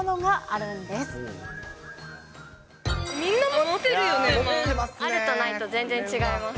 あるとないと、全然違います。